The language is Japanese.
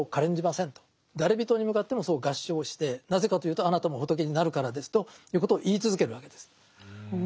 誰びとに向かってもそう合掌してなぜかというとあなたも仏になるからですということを言い続けるわけです。